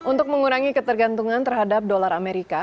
untuk mengurangi ketergantungan terhadap dolar amerika